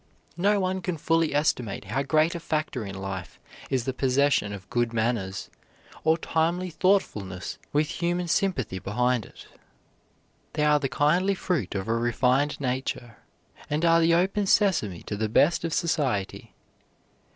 No one can fully estimate how great a factor in life is the possession of good manners, or timely thoughtfulness with human sympathy behind it. They are the kindly fruit of a refined nature, and are the open sesame to the best of society.